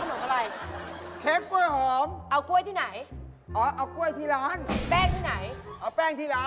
นี่ข้องผมเอาเข้าไปเตาเคิบ